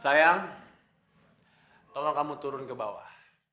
sayang tolong kamu turun ke bawah